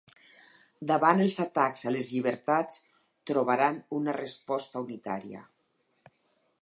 Davant els atacs a les llibertats trobaran una resposta unitària.